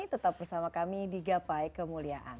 tetap bersama kami di gapai kemuliaan